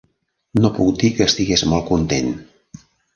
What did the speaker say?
No puc dir que estigués molt content.